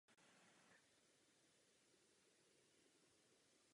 Navštěvují jej však také turisté.